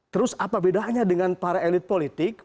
terus apa bedanya dengan para elit politik